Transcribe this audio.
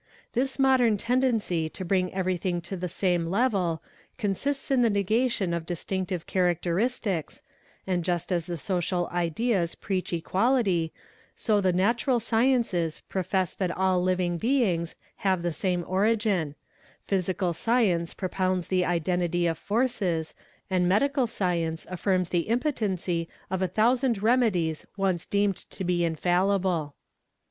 'This modern tendency to bring everything the game level consists in the negation of distinctive characteristics, an just as the social ideas preach equality, so the natural sciences profe that altiving beings have the same origin ; physical science propount the identity of forces, and medical science affirms the impotency of THE SCHOOL OF LOMBROSO 119 thousand remedies once deemed to be infallible.